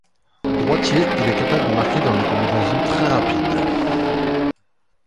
Droitier, il est capable de marquer dans des combinaisons très rapides.